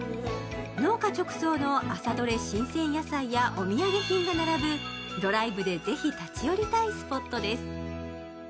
農家直送の朝どれ新鮮野菜やお土産品が並ぶドライブでぜひ立ち寄りたいスポットです。